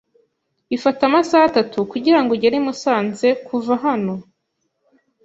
Bifata amasaha atatu kugirango ugere i Musanze kuva hano.